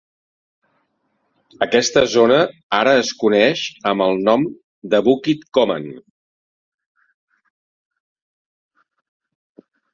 Aquesta zona ara es coneix amb el nom de Bukit Koman.